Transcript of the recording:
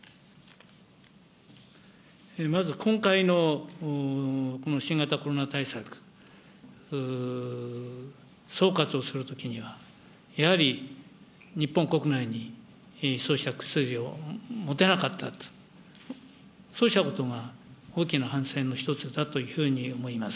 まず今回のこの新型コロナ対策、総括をするときには、やはり日本国内にそうした薬を持てなかった、そうしたことが大きな反省の一つだというふうに思います。